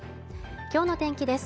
今日の天気です。